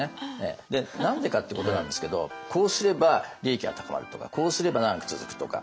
何でかってことなんですけどこうすれば利益は高まるとかこうすれば長く続くとか。